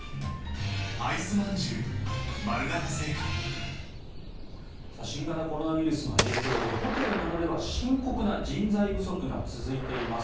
「肌男のメンズビオレ」新型コロナウイルスの影響でホテルなどでは深刻な人材不足が続いています。